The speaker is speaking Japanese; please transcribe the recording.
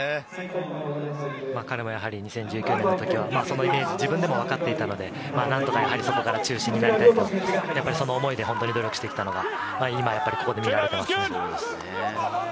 彼も２０１９年の時は、そのイメージが自分でも分かっていたので、何とかそこから中心になりたい、その思いで本当に努力していたのが、今、ここで見られてますね。